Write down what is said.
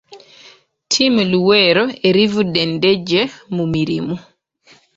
Tiimu Luweero erivvudde Ndejje mu mirimu.